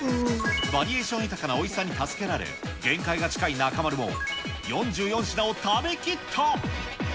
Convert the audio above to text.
バリエーション豊かなおいしさに助けられ、限界が近い中丸も、４４品を食べ切った。